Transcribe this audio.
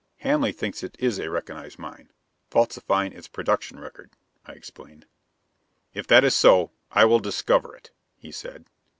"Hanley thinks it is a recognized mine, falsifying its production record," I explained. "If that is so, I will discover it," he said.